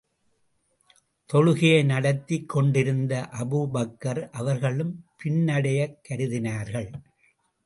தொழுகையை நடத்திக் கொண்டிருந்த அபூபக்கர் அவர்களும் பின்னடையக் கருதினார்கள்.